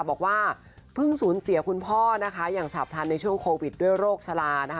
บอกว่าเพิ่งสูญเสียคุณพ่อนะคะอย่างฉับพลันในช่วงโควิดด้วยโรคชะลานะคะ